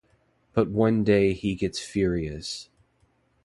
But one day he gets furious.